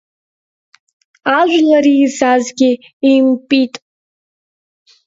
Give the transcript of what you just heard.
Ажәлар еизазгьы еимпит.